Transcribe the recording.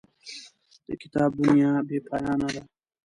د کتاب دنیا بې پایانه ده.